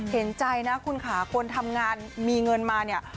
เห็นใจนะคุณค่ะคนทำงานมีเงินมาเนี่ย